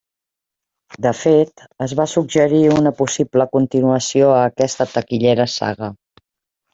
De fet, es va suggerir una possible continuació a aquesta taquillera saga.